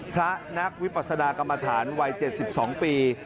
พระนักวิปัสดากรรมฐานวัย๗๒ปี